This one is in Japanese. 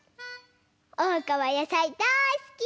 おうかはやさいだいすき！